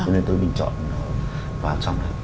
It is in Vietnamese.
nên tôi bình chọn nó vào trong